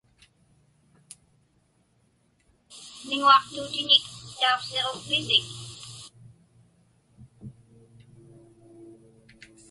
Miŋuaqtuutinik tauqsiġukpisik?